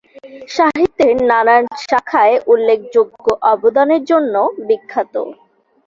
সাহিত্যের নানান শাখায় উল্লেখযোগ্য অবদানের জন্যও বিখ্যাত।